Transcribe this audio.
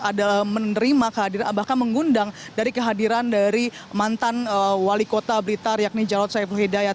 ada menerima kehadiran bahkan mengundang dari kehadiran dari mantan wali kota blitar yakni jarod saiful hidayat